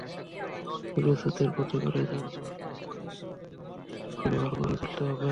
তীব্র স্রোতের প্রতিকূলে যানবাহন নিয়ে ফেরিগুলোকে বাড়তি শক্তি ব্যবহার করে চলতে হচ্ছে।